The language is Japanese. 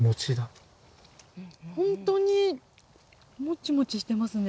ほんとにもちもちしてますね。